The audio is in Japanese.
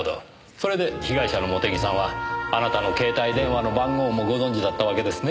それで被害者の茂手木さんはあなたの携帯電話の番号もご存じだったわけですね。